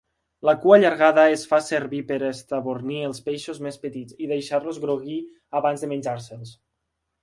La cua allargada es fa servir per estabornir els peixos més petits i deixar-los grogui abans de menjar-se'ls.